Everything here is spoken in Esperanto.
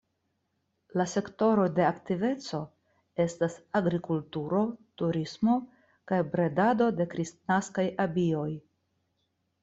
La sektoroj de aktiveco estas agrikulturo, turismo kaj bredado de kristnaskaj abioj.